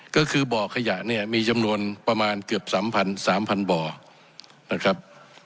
ก็คือบ่อขยะมีจำนวนประมาณเกือบสามพันบ่อ